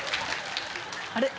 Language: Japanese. あれ？